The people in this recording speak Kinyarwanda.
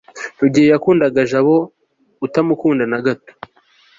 rugeyo yakundaga jabo, utamukunda na gato